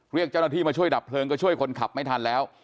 เรียกเจ้าหน้าที่มาช่วยดับเพลิงก็ช่วยคนขับไม่ทันแล้ว